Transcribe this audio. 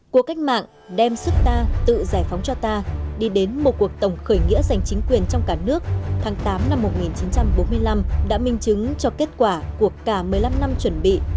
cuộc cách mạng đem sức ta tự giải phóng cho ta đi đến một cuộc tổng khởi nghĩa giành chính quyền trong cả nước tháng tám năm một nghìn chín trăm bốn mươi năm đã minh chứng cho kết quả của cả một mươi năm năm chuẩn bị